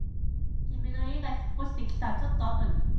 君の家が引っ越してきたちょっとあとに